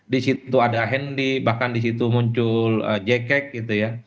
di situ ada hendy bahkan di situ muncul jakek gitu ya